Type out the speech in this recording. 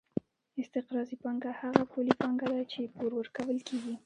استقراضي پانګه هغه پولي پانګه ده چې پور ورکول کېږي